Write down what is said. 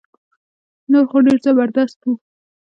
نور خو ډير زبردست وو